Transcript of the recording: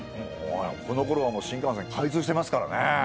このころはもう新幹線開通してますからね。